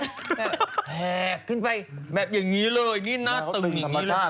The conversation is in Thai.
แห่ขึ้นไปแบบอย่างนี้เลยนี่หน้าตึงอย่างนี้เลย